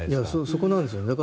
そこなんですよね。